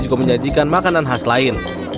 juga menyajikan makanan khas lain